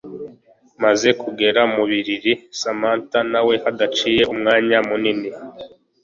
Maze kugera mu biriri Samantha nawe hadaciye umwanya munini